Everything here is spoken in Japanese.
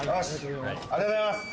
ありがとうございます。